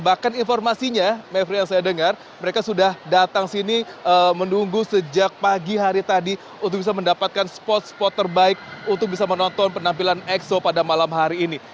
bahkan informasinya mevri yang saya dengar mereka sudah datang sini menunggu sejak pagi hari tadi untuk bisa mendapatkan spot spot terbaik untuk bisa menonton penampilan exo pada malam hari ini